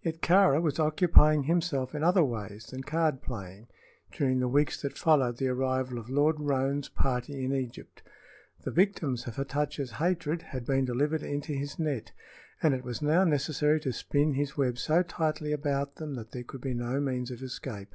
Yet Kāra was occupying himself in other ways than card playing during the weeks that followed the arrival of Lord Roane's party in Egypt. The victims of Hatatcha's hatred had been delivered into his net, and it was now necessary to spin his web so tightly about them that there could be no means of escape.